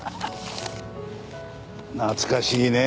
懐かしいねえ。